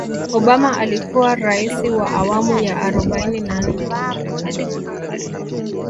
obama alikuwa raisi wa awamu ya arobaini na nne wa marekani